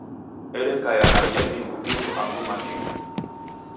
Ereka ya rangi ya ivu ivu angu maw'ingu.